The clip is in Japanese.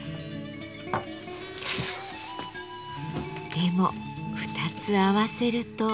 でも二つ合わせると。